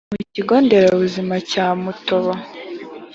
mu kigo nderabuzima cya mutobo